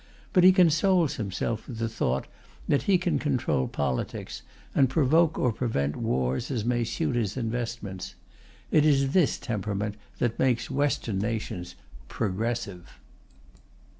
But he consoles himself with the thought that he can control politics, and provoke or prevent wars as may suit his investments. It is this temperament that makes Western nations "progressive."